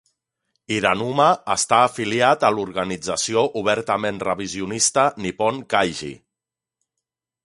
Hiranuma està afiliat a l'organització obertament revisionista Nippon Kaigi.